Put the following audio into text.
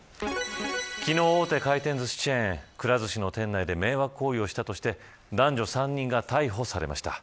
昨日、大手回転ずしチェーンくら寿司の店内で迷惑行為をしたとして男女３人が逮捕されました。